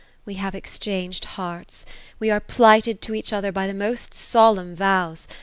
We have exchanged hearts. We are plighted to each other by the most solemn vows.